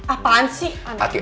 apaan sih anak ibu